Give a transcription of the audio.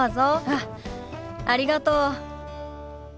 あっありがとう。